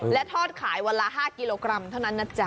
และทอดขายวันละ๕กิโลกรัมเท่านั้นนะจ๊ะ